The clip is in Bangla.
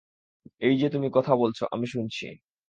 এই যে তুমি কথা বলছি, আমি শুনছি।